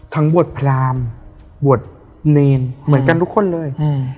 ทั้งบวชพรามบวชเนรเหมือนกันทุกคนเลย